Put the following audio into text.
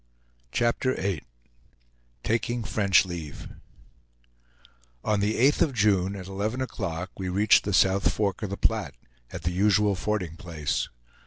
CHAPTER VIII TAKING FRENCH LEAVE On the 8th of June, at eleven o'clock, we reached the South Fork of the Platte, at the usual fording place.